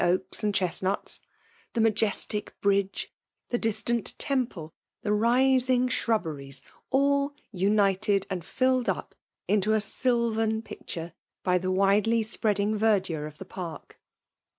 oaks, a^d chestr nuts — the miyestic bridge — the distant temple — the rising shrubberies — all united and filled up into a sylvan picture by the widely spread ing verdure of the park.